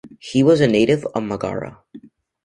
He was a native of Megara.